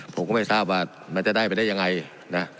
ผมก็ไม่ทราบว่ามันจะได้ไปได้ยังไงนะ